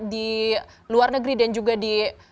di luar negeri dan juga di